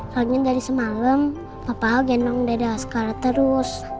soalnya dari semalam papa al gendong dede askara terus